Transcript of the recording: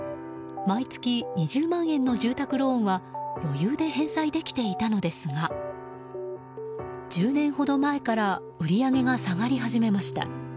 毎月２０万円の住宅ローンは余裕で返済できていたのですが１０年ほど前から売り上げが下がり始めました。